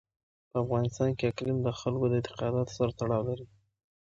په افغانستان کې اقلیم د خلکو د اعتقاداتو سره تړاو لري.